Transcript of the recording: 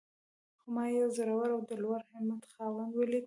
خو ما يو زړور او د لوړ همت خاوند وليد.